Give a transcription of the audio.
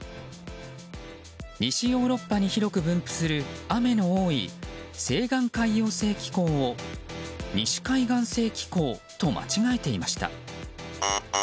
西ヨーロッパに広く分布する雨の多い西岸海洋性気候を西海岸性気候と間違えていました。